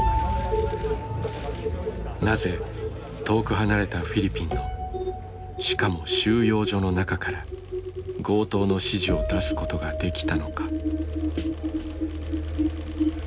なぜ遠く離れたフィリピンのしかも収容所の中から強盗の指示を出すことができたのか。